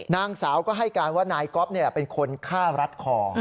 นางสาวก็ให้การว่านายก๊อฟเป็นคนฆ่ารัดคอ